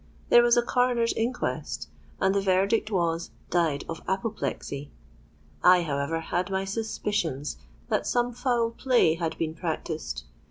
There was a Coroner's Inquest; and the verdict was 'Died of apoplexy.' I however had my suspicions that some foul play had been practised.